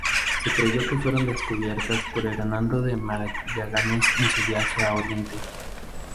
Se creyó que fueron descubiertas por Hernando de Magallanes en su viaje a Oriente.